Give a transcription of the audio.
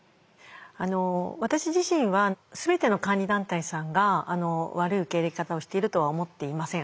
私自身は全ての監理団体さんが悪い受け入れ方をしているとは思っていません。